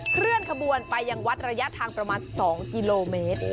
เคลื่อนขบวนไปยังวัดระยะทางประมาณ๒กิโลเมตร